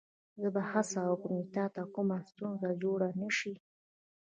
زه به هڅه وکړم چې تا ته کومه ستونزه جوړه نه شي.